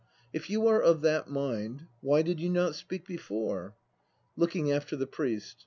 If you are of that mind, why did you not speak before? (Looking after the PRIEST.)